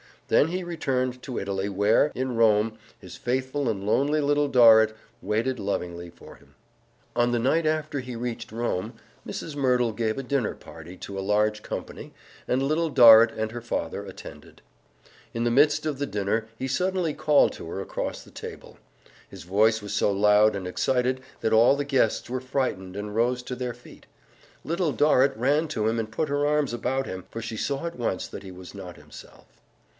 Then he returned to Italy, where, in Rome, his faithful and lonely Little Dorrit waited lovingly for him. On the night after he reached Rome Mrs. Merdle gave a dinner party to a large company, and Little Dorrit and her father attended. In the midst of the dinner he suddenly called to her across the table. His voice was so loud and excited that all the guests were frightened and rose to their feet. Little Dorrit ran to him and put her arms about him, for she saw at once that he was not himself.